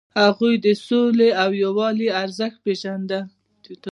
هغوی د سولې او یووالي ارزښت پیژندل.